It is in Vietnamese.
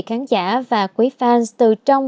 khán giả và quý fans từ trong